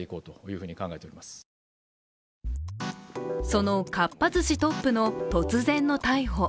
そのかっぱ寿司トップの突然の逮捕。